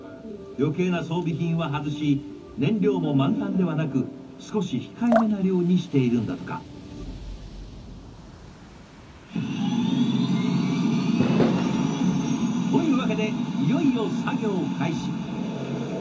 余計な装備品は外し燃料も満タンではなく少し控えめな量にしているんだとか。というわけでいよいよ作業開始。